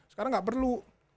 sekarang gak perlu